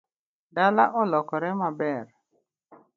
Dala olokore maber